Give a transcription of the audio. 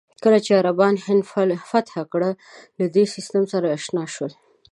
کله چې عربان هند فتح کړل، له دې سیستم سره اشنا شول.